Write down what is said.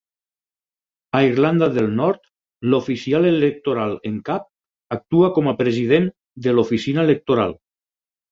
A Irlanda del Nord, l'oficial electoral en cap actua com a president de l'oficina electoral.